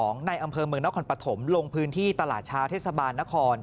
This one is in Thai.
ในอำเภอเมืองนครปฐมลงพื้นที่ตลาดเช้าเทศบาลนคร